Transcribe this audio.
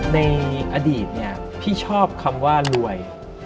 ในอดีตพี่ชอบคำว่ารวย